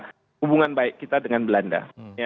pertama adalah hubungan baik kita dengan belanda